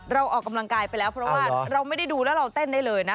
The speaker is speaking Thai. ออกกำลังกายไปแล้วเพราะว่าเราไม่ได้ดูแล้วเราเต้นได้เลยนะ